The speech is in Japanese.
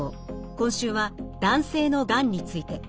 今週は男性のがんについて。